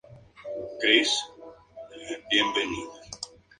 Se casan, para separarse luego.